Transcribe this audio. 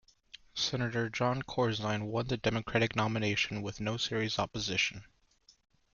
Senator Jon Corzine won the Democratic nomination with no serious opposition.